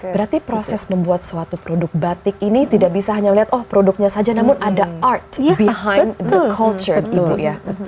berarti proses membuat suatu produk batik ini tidak bisa hanya melihat produknya saja namun ada arti di belakang budaya